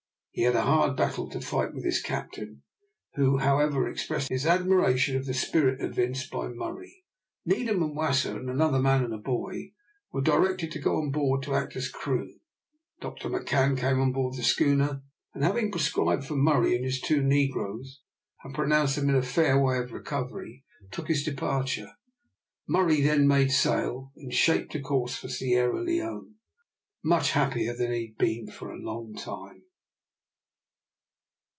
He had a hard battle to fight with his captain, who, however, expressed his admiration of the spirit evinced by Murray. Needham and Wasser, and another man and a boy, were directed to go on board to act as crew. Dr McCan came on board the schooner: and having prescribed for Murray and his two negroes, and pronounced them in a fair way of recovery, took his departure. Murray then made sail and shaped a course for Sierra Leone, much happier than he had been for a long time.